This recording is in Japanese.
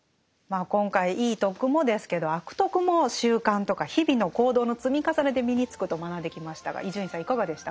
今回いい「徳」もですけど「悪徳」も習慣とか日々の行動の積み重ねで身につくと学んできましたが伊集院さんいかがでしたか？